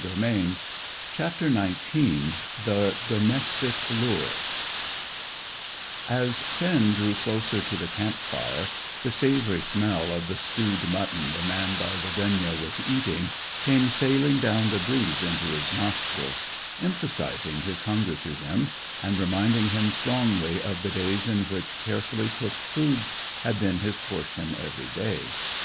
CHAPTER XIX THE DOMESTIC LURE As Finn drew closer to the camp fire, the savoury smell of the stewed mutton the man by the gunyah was eating came sailing down the breeze into his nostrils, emphasizing his hunger to him, and reminding him strongly of the days in which carefully cooked foods had been his portion every day.